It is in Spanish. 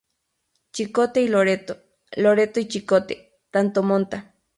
Chicote y Loreto, Loreto y Chicote, tanto monta...